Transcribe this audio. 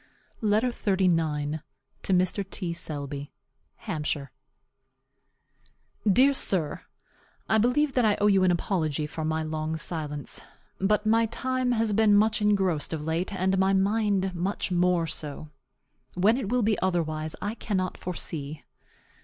LETTER XXXIX. TO MR. T. SELBY. HAMPSHIRE. Dear sir: I believe that I owe you an apology for my long silence. But my time has been much engrossed of late, and my mind much more so. When it will be otherwise I cannot foresee.